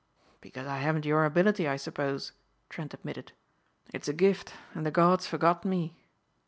"Because I haven't your ability, I suppose," Trent admitted. "It's a gift and the gods forgot me."